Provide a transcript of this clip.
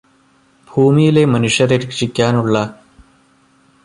ഭൂമിയിലെ മനുഷ്യരെ രക്ഷിക്കാനുള്ള